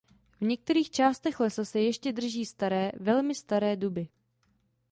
V některých částech lesa se ještě drží staré velmi staré duby.